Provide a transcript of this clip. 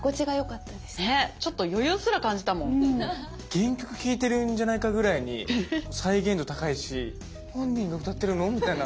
原曲聞いてるんじゃないかぐらいに再現度高いし本人が歌ってるの？みたいな。